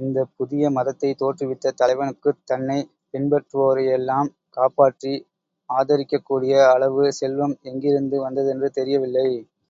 இந்தப் புதிய மதத்தைத் தோற்றுவித்த தலைவனுக்குத் தன்னைப் பின்பற்றுவோரையெல்லாம் காப்பாற்றி ஆதரிக்கக்கூடிய அளவு செல்வம் எங்கிருந்து வந்ததென்று தெரியவில்லை.